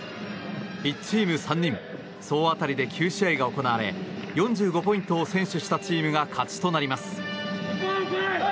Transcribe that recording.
１チーム３人総当たりで９試合が行われ４５ポイントを先取したチームが勝ちとなります。